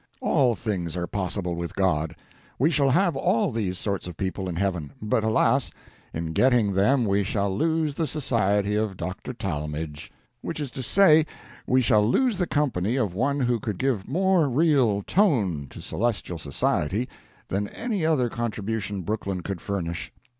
All things are possible with God. We shall have all these sorts of people in heaven; but, alas! in getting them we shall lose the society of Dr. Talmage. Which is to say, we shall lose the company of one who could give more real "tone" to celestial society than any other contribution Brooklyn could furnish.